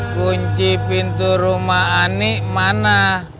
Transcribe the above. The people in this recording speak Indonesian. kunci pintu rumah ani mana